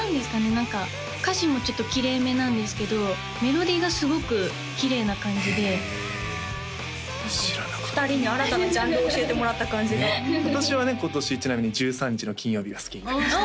何か歌詞もちょっときれいめなんですけどメロディーがすごくきれいな感じでへえ知らなかった２人に新たなジャンルを教えてもらった感じが私はね今年ちなみに「１３日の金曜日」が好きになりました